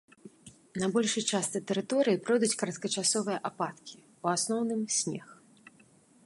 На большай частцы тэрыторыі пройдуць кароткачасовыя ападкі, у асноўным снег.